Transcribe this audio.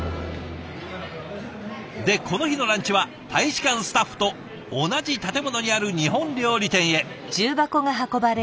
でこの日のランチは大使館スタッフと同じ建物にある日本料理店へ。